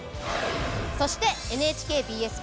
そしてＮＨＫＢＳ